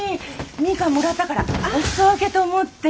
ミカンもらったからお裾分けと思って。